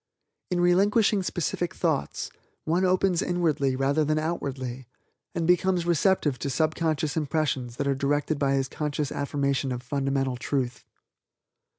"In relinquishing specific thoughts, one opens inwardly rather than outwardly, and becomes receptive to subconscious impressions that are directed by his conscious affirmation of fundamental Truth.